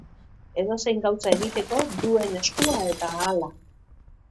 Edozein gauza egiteko duen eskua eta ahala.